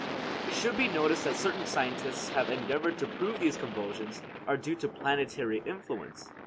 It should be noticed that certain scientists have endeavored to prove these convulsions are due to planetary influence.